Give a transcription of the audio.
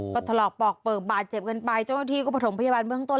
ก็ทหลอกปลอกเปิบาดเจ็บกันไปซึ่งแม้ที่ก็พยาบาลเมืองต้น